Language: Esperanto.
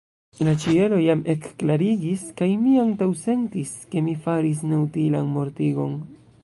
La ĉielo jam ekklariĝis, kaj mi antaŭsentis, ke mi faris neutilan mortigon.